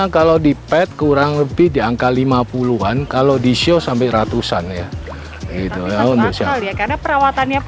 kalau di pet kurang lebih diangka lima puluh an kalau di show sampai ratusan ya itu ya karena perawatannya